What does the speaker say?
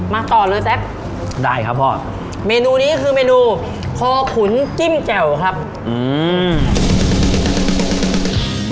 มาต่อเลยแซ็กได้ครับพ่อเมนูนี้คือเมนูคอขุนจิ้มแจ่วครับอืม